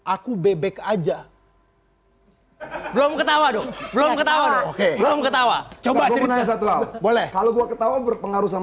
aku bebek aja belum ketawa belum ketawa belum ketawa coba boleh kalau gue ketawa berpengaruh